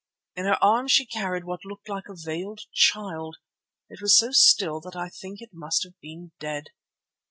In her arms she carried what looked like a veiled child. It was so still that I think it must have been dead."